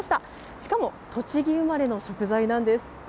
しかも栃木生まれの食材なんです。